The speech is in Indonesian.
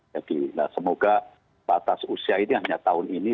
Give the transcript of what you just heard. jadi semoga batas usia ini hanya tahun ini